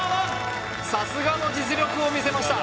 さすがの実力を見せました